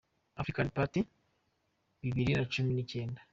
African Party bibiri na cumi n’icyenda